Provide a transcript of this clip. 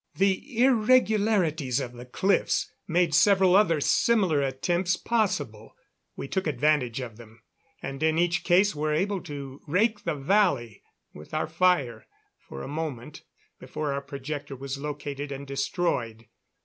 The irregularities of the cliffs made several other similar attempts possible. We took advantage of them, and in each case were able to rake the valley with our fire for a moment before our projector was located and destroyed.